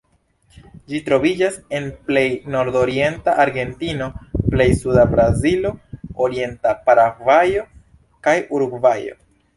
Ĝi troviĝas en plej nordorienta Argentino, plej suda Brazilo, orienta Paragvajo kaj Urugvajo.